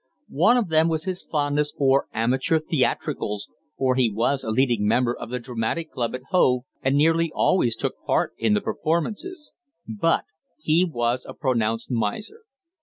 One of them was his fondness for amateur theatricals, for he was a leading member of the Dramatic Club at Hove and nearly always took part in the performances. But he was a pronounced miser.